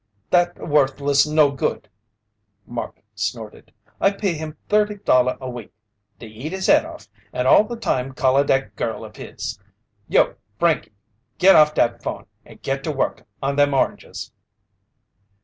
"That worthless no good!" Mark snorted. "I pay him thirty dolla a week to eat his head off and all the time calla dat girl of his! You, Frankey! Git off dat phone and git to work on them oranges!"